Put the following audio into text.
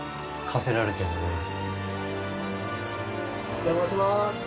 お邪魔します。